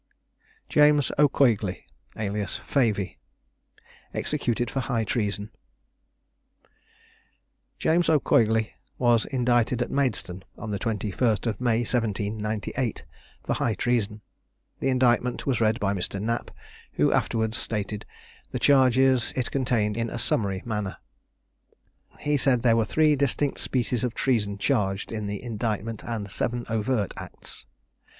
JAMES O'COIGLEY, alias FAVEY. EXECUTED FOR HIGH TREASON. James O'Coigley was indicted at Maidstone, on the 21st of May 1798, for high treason. The indictment was read by Mr. Knapp, who afterwards stated the charges it contained in a summary manner. He said there were three distinct species of treason charged in the indictment and seven overt acts.